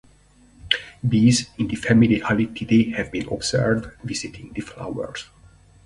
Bees in the family Halictidae have been observed visiting the flowers.